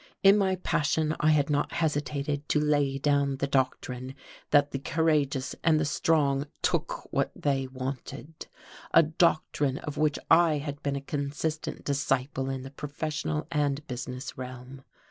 In my passion I had not hesitated to lay down the doctrine that the courageous and the strong took what they wanted, a doctrine of which I had been a consistent disciple in the professional and business realm.